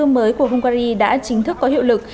luật nhập cư mới của hungary đã chính thức có hiệu lực